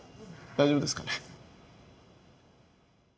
大丈夫ですかね。